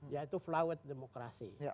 yaitu fluid demokrasi